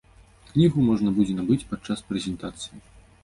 Кнігу можна будзе набыць падчас прэзентацый.